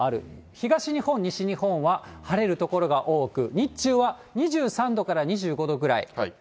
東日本、西日本は晴れる所が多く、日中は２３度から２５度ぐらい。